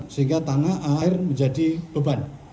sehingga tanah air menjadi beban